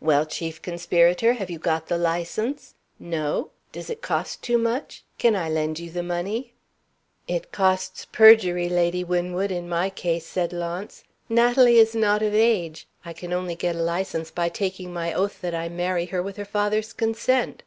"Well, Chief Conspirator, have you got the License? No? Does it cost too much? Can I lend you the money?" "It costs perjury, Lady Winwood, in my case," said Launce. "Natalie is not of age. I can only get a License by taking my oath that I marry her with her father's consent."